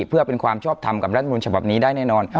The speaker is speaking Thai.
เพื่อเป็นความชอบทำกับรัฐมนุนฉบับนี้ได้แน่นอน